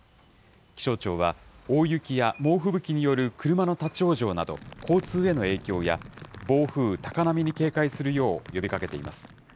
気象庁は大雪や猛吹雪による車の立往生など、交通への影響や、暴風、高波に警戒するよう呼びかけています。